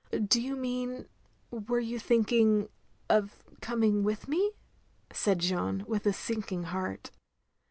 "" Do you mean — ^were you thinking — of coming with me?" said Jeanne, with a sinking heart.